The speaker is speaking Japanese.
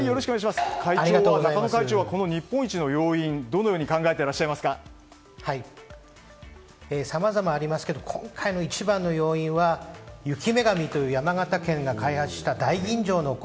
会長はこの日本一の要因はどのようにさまざまありますけど今回の一番の要因は雪女神という山形県が開発した大吟醸のお米